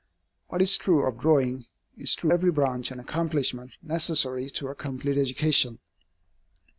What is true of drawing, is true of every branch and accomplishment necessary to a complete education.